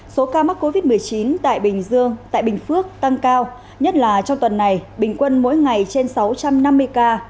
số ca mắc covid một mươi chín tại bình dương tại bình phước tăng cao nhất là trong tuần này bình quân mỗi ngày trên sáu trăm năm mươi ca